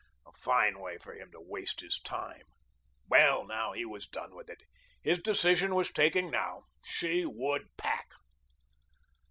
A fine way for him to waste his time. Well, now he was done with it. His decision was taken now. She should pack.